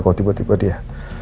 kalau tiba tiba dia